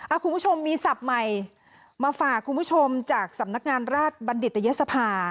คุณผู้ชมมีศัพท์ใหม่มาฝากคุณผู้ชมจากสำนักงานราชบัณฑิตยศภา